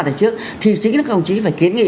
từ trước thì chính là các đồng chí phải kiến nghị